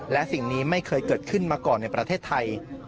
และสิ่งนี้ไม่เคยเกิดขึ้นมาก่อนในประเทศไทย